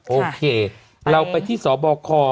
โอเคเราไปที่สบค